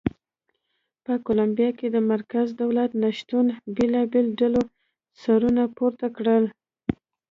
په کولمبیا کې د مرکزي دولت نه شتون بېلابېلو ډلو سرونه پورته کړل.